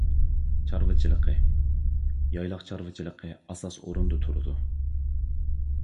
چارۋىچىلىقى يايلاق چارۋىچىلىقى ئاساس ئورۇندا تۇرىدۇ.